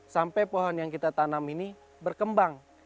sampai pohon yang kita tanam ini berkembang